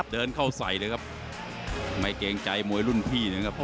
เดินเข้าใส่เลยครับไม่เกรงใจมวยรุ่นพี่นะครับ